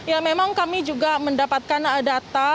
ya memang kami juga mendapatkan data